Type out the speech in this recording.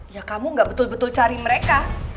ya kamu gak betul betul cari mereka